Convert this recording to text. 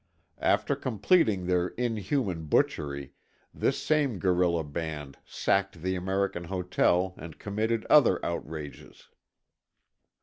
After completing their inhuman butchery, this same guerilla band sacked the American Hotel and committed other outrages.